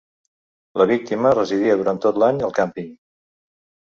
La víctima residia durant tot l’any al càmping.